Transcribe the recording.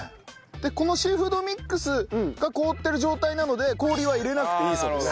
でこのシーフードミックスが凍ってる状態なので氷は入れなくていいそうです。